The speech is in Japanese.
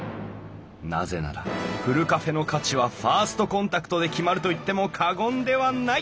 なぜならふるカフェの価値はファーストコンタクトで決まると言っても過言ではない！